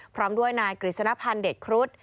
พร้อมด้วยนายกฤษณภัณฑ์เด็ดครุฑ